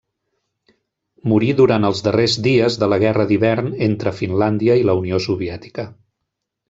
Morí durant els darrers dies de la Guerra d'hivern entre Finlàndia i la Unió Soviètica.